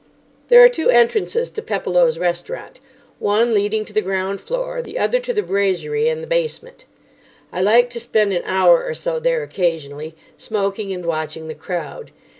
There are two entrances to Pepolo's restaurant, one leading to the ground floor, the other to the brasserie in the basement. I liked to spend an hour or so there occasionally, smoking and watching the crowd.